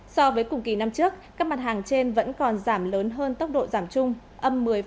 so với cùng kỳ năm trước các mặt hàng trên vẫn còn giảm lớn hơn tốc độ giảm chung âm một mươi ba